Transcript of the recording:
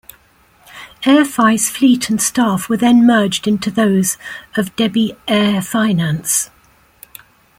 AerFi's fleet and staff were then merged into those of debis AirFinance.